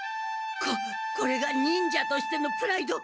ここれが忍者としてのプライド！